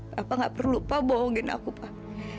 bapak nggak perlu pak bohongin aku pak